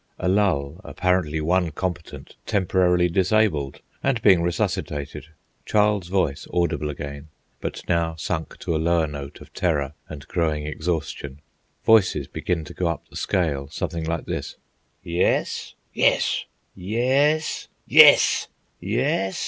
A lull; apparently one combatant temporarily disabled and being resuscitated; child's voice audible again, but now sunk to a lower note of terror and growing exhaustion. Voices begin to go up the scale, something like this:— "Yes?" "Yes!" "Yes?" "Yes!" "Yes?"